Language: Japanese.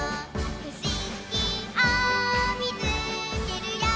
「ふしぎをみつけるよ」